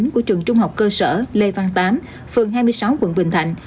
của trường trung học cơ sở lê văn tám phường hai mươi sáu quận bình thạnh